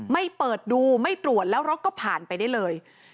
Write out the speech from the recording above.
เปิดดูไม่ตรวจแล้วรถก็ผ่านไปได้เลย